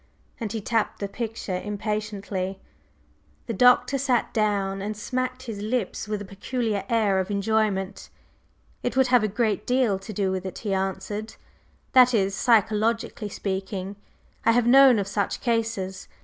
and he tapped the picture impatiently. The Doctor sat down and smacked his lips with a peculiar air of enjoyment. "It would have a great deal to do with it," he answered, "that is, psychologically speaking. I have known of such cases.